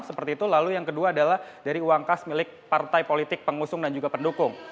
seperti itu lalu yang kedua adalah dari uang kas milik partai politik pengusung dan juga pendukung